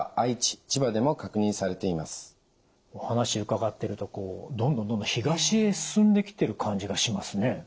お話伺ってるとどんどんどんどん東へ進んできてる感じがしますね。